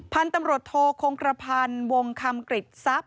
พันธุ์ตำรวจโทคงกระพันธ์วงคำกริจทรัพย